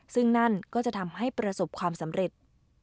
ซึ่งนั่นก็จะทำให้ประสบความสำเร็จ